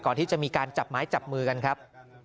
ก่อนที่จะมีการจับไม้จับมือกันครับ